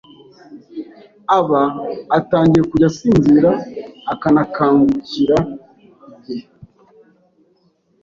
aba atangiye kujya asinzira akanakangukira igihe